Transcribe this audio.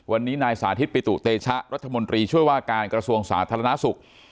วันนี้นายสาธิตปิตุเตชะรัฐมนตรีช่วยว่าการกระทรวงสาธารณสุข